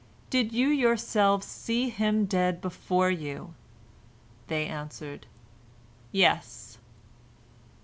Did you yourselves see him dead before you?" They answered, "Yes!"